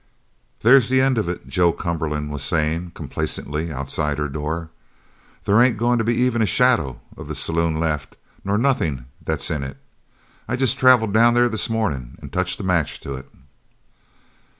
"There's the end of it," Joe Cumberland was saying complacently outside her door. "There ain't goin' to be even a shadow of the saloon left nor nothin' that's in it. I jest travelled down there this mornin' and touched a match to it!"